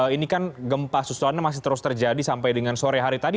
ini kan gempa susulannya masih terus terjadi sampai dengan sore hari tadi